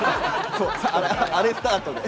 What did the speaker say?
あれスタートで。